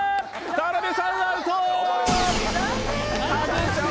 田辺さん、アウト！